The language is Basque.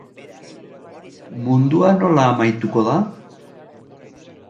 Mundua nola amaituko da?